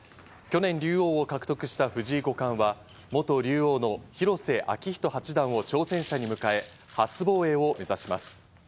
去年、竜王を獲得した藤井五冠は元竜王の広瀬章人八段を挑戦者に迎え、初防衛を目指します。